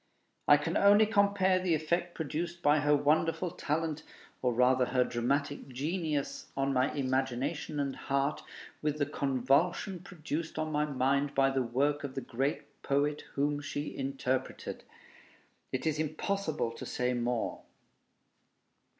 I can only compare the effect produced by her wonderful talent, or rather her dramatic genius, on my imagination and heart, with the convulsion produced on my mind by the work of the great poet whom she interpreted. It is impossible to say more.